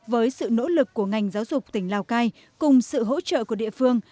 với sự nỗ lực của ngành giáo dục tỉnh lào cai cùng sự hỗ trợ của địa phương